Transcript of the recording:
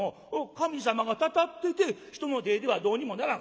神様がたたってて人の手ではどうにもならん？」。